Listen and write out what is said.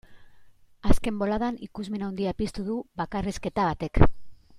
Azken boladan ikusmin handia piztu du bakarrizketa batek.